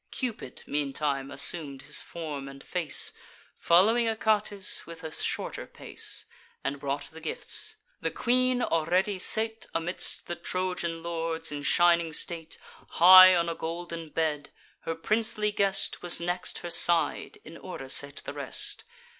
Cupid meantime assum'd his form and face, Foll'wing Achates with a shorter pace, And brought the gifts. The queen already sate Amidst the Trojan lords, in shining state, High on a golden bed: her princely guest Was next her side; in order sate the rest.